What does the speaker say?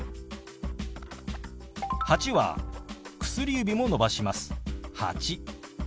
「８」は薬指も伸ばします。